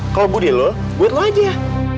kalo budi lu buat lu aja